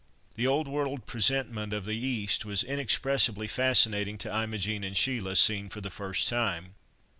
The old world presentment of the East was inexpressibly fascinating to Imogen and Sheila, seen for the first time.